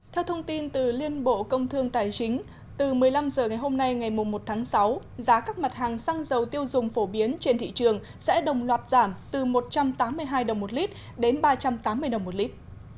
theo thông tin từ liên bộ công thương tài chính từ một mươi năm h ngày hôm nay ngày một tháng sáu giá các mặt hàng xăng dầu tiêu dùng phổ biến trên thị trường sẽ đồng loạt giảm từ một trăm tám mươi hai đồng một lít đến ba trăm tám mươi đồng một lít